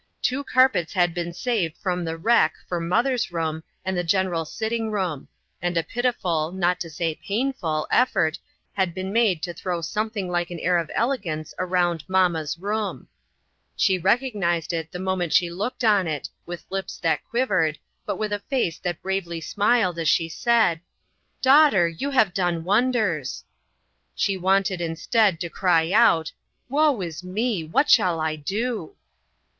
Two carpets had been saved from the wreck for mother's room and the general sitting room ; and a pitiful, not to say painful, effort had been made to throw something like an air of elegance around "mamma's room." She recognized it the mo ment she looked on it, with lips that quivered, but with a face that bravely smiled as she said: "Daughter, you have done wonders." She wanted, instead, to cry out :" Woe is me! What shall I do?"